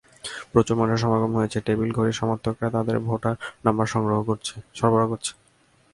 প্রচুর মানুষের সমাগম হয়েছে, টেবিল ঘড়ির সমর্থকেরা তাদের ভোটার নম্বর সরবরাহ করছে।